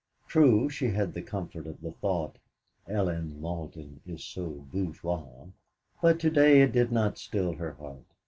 True, she had the comfort of the thought, '.llen Malden is so bourgeoise,' but to day it did not still her heart.